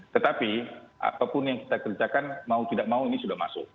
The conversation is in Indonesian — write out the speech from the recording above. tetapi apapun yang kita kerjakan mau tidak mau ini sudah masuk